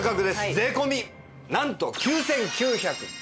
税込なんと９９９０円！